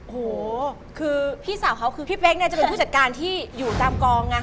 โหคือพี่สาวเขาคือพี่เป๊กเนี่ยจะเป็นผู้จัดการที่อยู่ตามกองไง